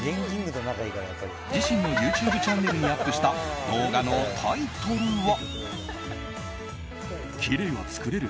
自身のＹｏｕＴｕｂｅチャンネルにアップした動画のタイトルは。